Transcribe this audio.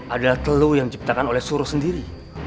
adalah telur yang diciptakan oleh suruh sendiri